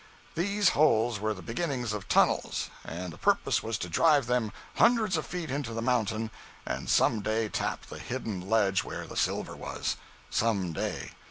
These holes were the beginnings of tunnels, and the purpose was to drive them hundreds of feet into the mountain, and some day tap the hidden ledge where the silver was. Some day!